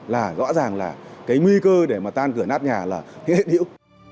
là rõ ràng là cái nguy cơ để mà tan cửa nát nhà là ghê điễu